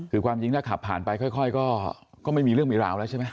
คือความจริงถ้าขับผ่านไปค่อยก็ไม่มีเรื่องมีราวแล้วใช่ไหม